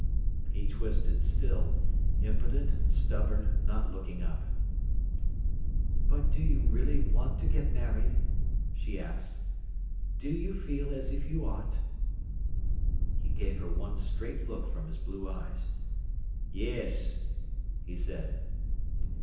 He twisted still, impotent, stubborn, not looking up. "But do you really want to get married?" she asked. "Do you feel as if you ought?" He gave her one straight look from his blue eyes. "Yes," he said.